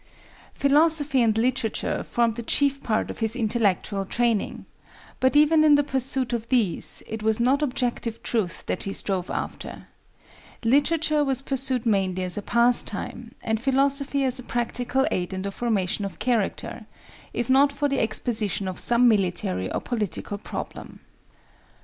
Philosophy and literature formed the chief part of his intellectual training; but even in the pursuit of these, it was not objective truth that he strove after,—literature was pursued mainly as a pastime, and philosophy as a practical aid in the formation of character, if not for the exposition of some military or political problem.